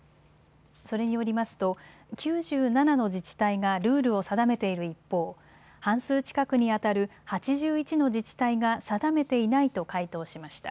それによりますと９７の自治体がルールを定めている一方、半数近くにあたる８１の自治体が定めていないと回答しました。